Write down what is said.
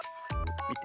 みて。